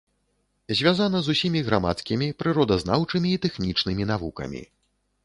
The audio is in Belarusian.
Звязана з усімі грамадскімі, прыродазнаўчымі і тэхнічнымі навукамі.